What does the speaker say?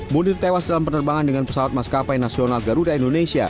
munir tewas dalam penerbangan dengan pesawat maskapai nasional garuda indonesia